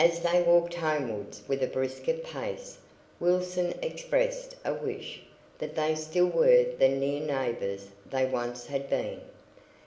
As they walked homewards with a brisker pace, Wilson expressed a wish that they still were the near neighbours they once had been.